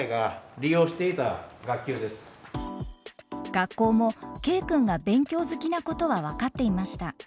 学校もＫ君が勉強好きなことは分かっていました。